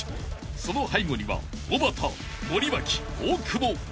［その背後にはおばた森脇大久保］